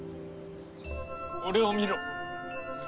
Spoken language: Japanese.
俺を見ろ。